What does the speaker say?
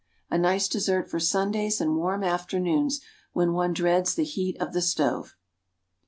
A nice dessert for Sundays and warm afternoons when one dreads the heat of the stove.